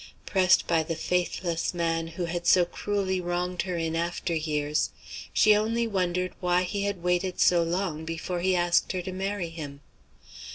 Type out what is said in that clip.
Pressed by the faithless man who had so cruelly wronged her in after years, she only wondered why he had waited so long before he asked her to marry him.